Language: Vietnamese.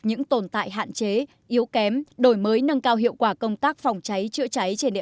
những tồn tại hạn chế yếu kém đổi mới nâng cao hiệu quả công tác phòng cháy chữa cháy trên địa